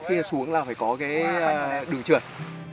khi xuống là phải có cái đường trường